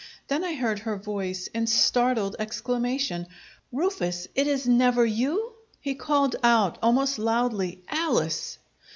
Then I heard her voice in startled exclamation: "Rufus, it is never you?" He called out, almost loudly, "Alice!"